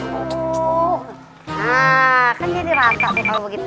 nah kan jadi rata nih kalau begitu